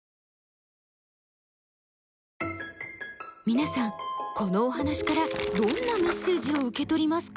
皆さんこのお話からどんなメッセージを受け取りますか？